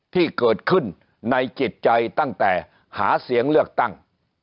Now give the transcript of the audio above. ที่เกิดขึ้นในจิตใจตั้งแต่หาเสียงเลือกตั้ง